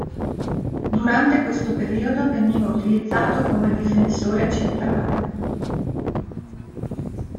Durante questo periodo veniva utilizzato come difensore centrale.